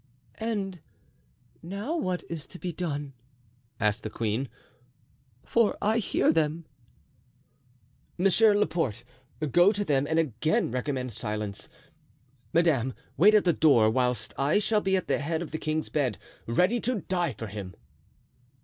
"And now what is to be done?" asked the queen, "for I hear them." "Monsieur Laporte, go to them and again recommend silence. Madame, wait at the door, whilst I shall be at the head of the king's bed, ready to die for him."